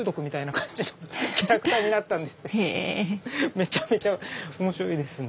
めちゃめちゃ面白いですね